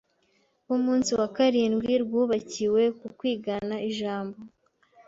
b’umunsi wa karindwi rwubakiwe ku kwigana Ijambo